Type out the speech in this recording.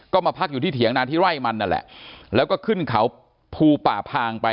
ก็มาพักอยู่ที่เถียงนาที่ไร่มันนั่นแหละแล้วก็ขึ้นเขาภูป่าพางไป